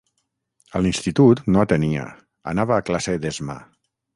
A l'institut no atenia, anava a classe d'esma.